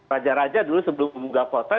raja raja dulu sebelum munggah pota